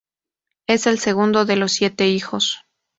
Es el segundo de los siete hijos.